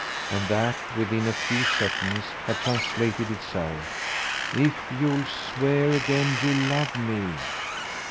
And that, within a few seconds, had translated itself. "If you'll swear again you love me